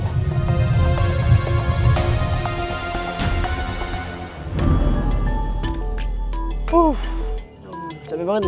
saya mana yang membetulkan ini